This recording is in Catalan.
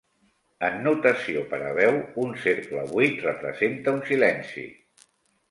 En notació per a veu, un cercle buit representa un silenci.